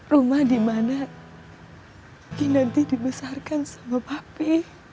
rumah dimana kinanti dibesarkan sama papi